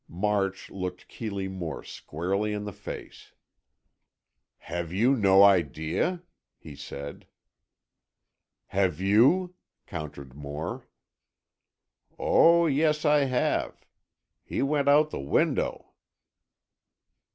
March looked Keeley Moore squarely in the face. "Have you no idea?" he said. "Have you?" countered Moore. "Oh, yes, I have. He went out the window."